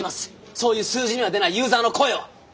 そういう数字には出ないユーザーの声を。